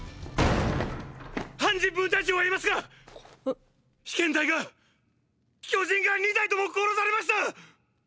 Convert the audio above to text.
ハンジ分隊長はいますか⁉被験体が巨人が２体とも殺されました！